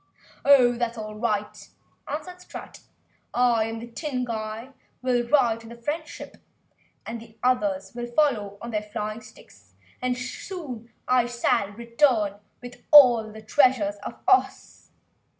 "Oh, that's all right!" answered Strut, "I and this Tin Emperor will ride in the Friend ship, and the others will follow on their flying sticks and soon I will return with all the treasures of Ohs!"